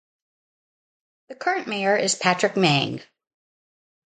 The current mayor is Patrick Mang.